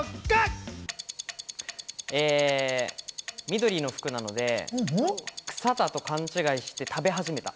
緑の服なので、草だと勘違いして食べ始めた。